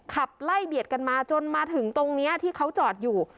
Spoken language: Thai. ขับไล่เบียดกันมาจนมาถึงตรงนี้ที่เขาจอดอยู่